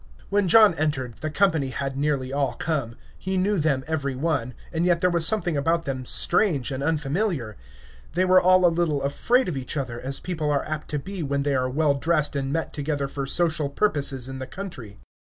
When John entered, the company had nearly all come. He knew them every one, and yet there was something about them strange and unfamiliar. They were all a little afraid of each other, as people are apt to be when they are well dressed and met together for social purposes in the country.